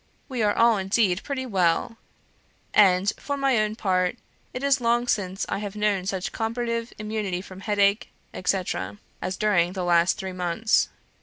We are all indeed pretty well; and, for my own part, it is long since I have known such comparative immunity from headache, etc., as during the last three months.